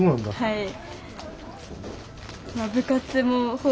はい。